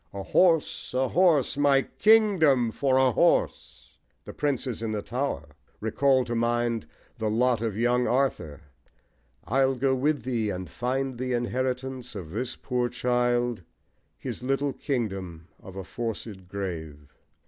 A horse! A horse! My kingdom for a horse! The Princes in the Tower recall to mind the lot of young Arthur: I'll go with thee, And find the inheritance of this poor child, His little kingdom of a forced grave.